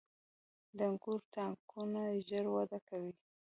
• د انګورو تاکونه ژر وده کوي.